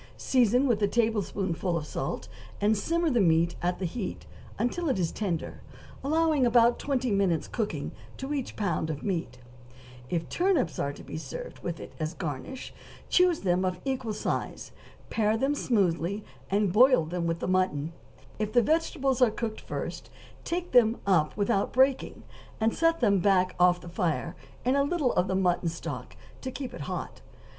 season with a tablespoonful of salt, and simmer the meat at that heat until it is tender, allowing about twenty minutes cooking to each pound of meat; if turnips are to be served with it as a garnish, choose them of equal size, pare them smoothly, and boil them with the mutton; if the vegetables are cooked first take them up without breaking, and set them back off the fire, in a little of the mutton stock, to keep hot.